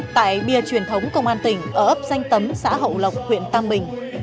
tại bia truyền thống công an tỉnh ở ấp danh tấm xã hậu lộc huyện tam bình